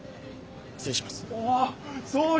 失礼します。